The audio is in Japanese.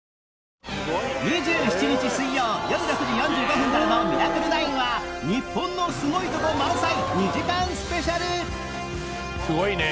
２７日水曜よる６時４５分からの『ミラクル９』は日本のすごいとこ満載２時間スペシャル！